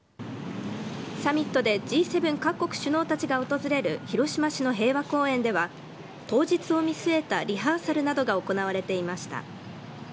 サミットでＧ７各国首脳たちが訪れる広島市の平和公園では、当日を見据えたリハーサルなどが行われていました。